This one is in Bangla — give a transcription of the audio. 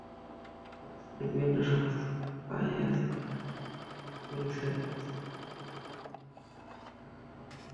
পাকিস্তানি গোয়েন্দা সংস্থা আইএসআই সন্ত্রাসীদের লালন করছে প্রক্সি যুদ্ধ বজায় রাখার জন্য।